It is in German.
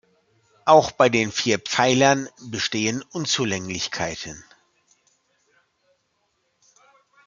Auch bei den vier Pfeilern bestehen Unzulänglichkeiten.